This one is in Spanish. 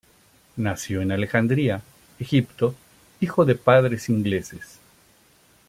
Nació en Alejandría, Egipto, hijo de padres ingleses.